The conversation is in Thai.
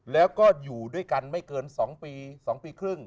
แล้วก็อยู่ด้วยกันไม่เกิน๒ปี๒ปีครึ่ง